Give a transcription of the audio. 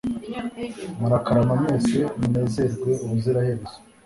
Murakarama mwese munezerwe ubuziraherezo